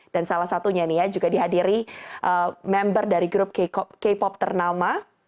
dan salah satunya nih ya juga dihadiri member dari grup k pop ternama